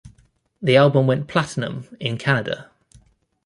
The album went Platinum in Canada.